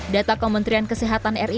data kementerian kesehatan rki